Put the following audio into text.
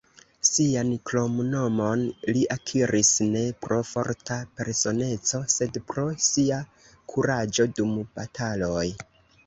Sian kromnomon li akiris ne pro forta personeco, sed pro sia kuraĝo dum bataloj.